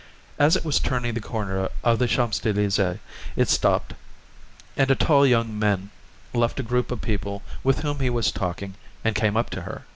As it was turning the corner of the Champs Elysées it stopped, and a tall young man left a group of people with whom he was talking and came up to her.